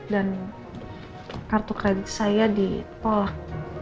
dan kartu kredit saya ditolak